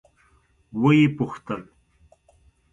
ويې پوښتل.